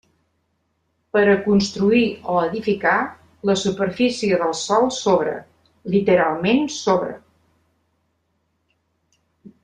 Per a construir o edificar, la superfície del sòl sobra, literalment sobra.